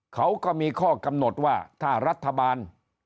เขาก็มีข้อกำหนดว่าถ้ารัฐบาล